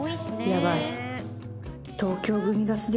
やばい